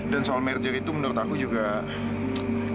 dan soal merger itu menurut aku juga kayaknya